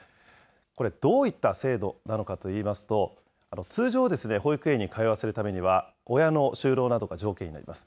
これ、どういった制度なのかといいますと、通常、保育園に通わせるためには、親の就労などが条件になります。